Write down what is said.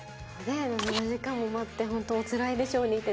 ７時間も待って本当におつらいでしょうにって。